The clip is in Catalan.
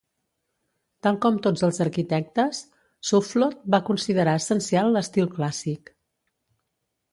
Tal com tots els arquitectes, Soufflot va considerar essencial l'estil clàssic.